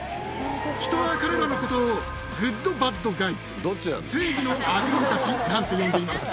人は彼らのことをグッド・バッド・ガイズ、正義の悪人たちなんて呼んでいるんです。